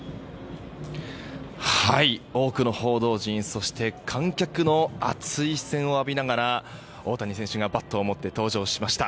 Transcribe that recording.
多くの報道陣そして、観客の熱い視線を浴びながら大谷選手がバットを持って登場しました。